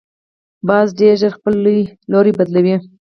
باز ډیر ژر خپل لوری بدلوي